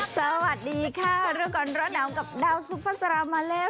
สวัสดีค่ะร่วงก่อนร้อนน้ำกับดาวซุปเปอร์สารามาแล้ว